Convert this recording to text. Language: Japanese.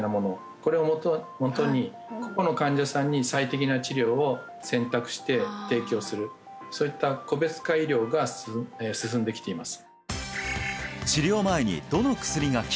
これをもとに個々の患者さんに最適な治療を選択して提供するそういった個別化医療が進んできています